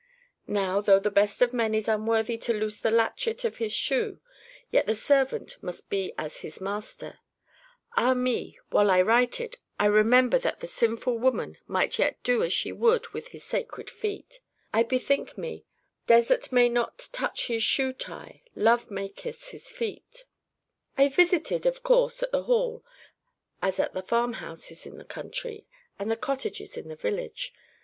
Now, though the best of men is unworthy to loose the latchet of His shoe, yet the servant must be as his Master. Ah me! while I write it, I remember that the sinful woman might yet do as she would with His sacred feet. I bethink me: Desert may not touch His shoe tie: Love may kiss His feet. I visited, of course, at the Hall, as at the farmhouses in the country, and the cottages in the village.